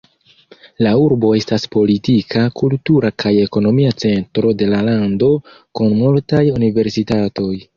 La urbo estas politika, kultura kaj ekonomia centro de la lando kun multaj universitatoj.